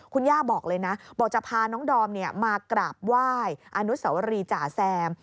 คุณย่าบอกเลยนะบอกจะพาน้องดอมมากราบไหว้อนุสวรีจ่าแซม